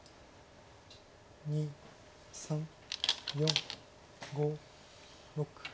２３４５６。